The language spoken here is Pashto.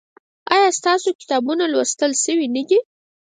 ایا ستاسو کتابونه لوستل شوي نه دي؟